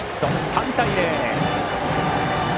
３対０。